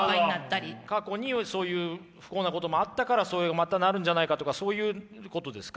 過去にそういう不幸なこともあったからそういうまたなるんじゃないかとかそういうことですか？